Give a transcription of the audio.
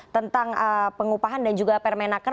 tentang pengupahan dan juga permenaker